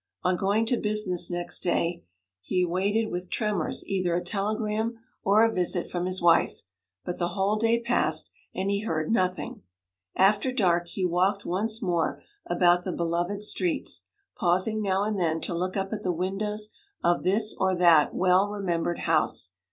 On going to business next day, he awaited with tremors either a telegram or a visit from his wife; but the whole day passed, and he heard nothing. After dark he walked once more about the beloved streets, pausing now and then to look up at the windows of this or that well remembered house.